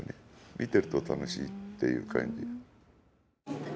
見てると楽しいっていう感じ。